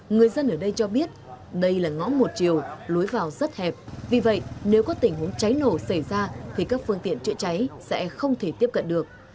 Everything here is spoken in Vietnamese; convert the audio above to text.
người dân ở đây cho biết đây là ngõ một triều lối vào rất hẹp vì vậy nếu có tình huống cháy nổ xảy ra thì các phương tiện chữa cháy sẽ không thể tiếp cận được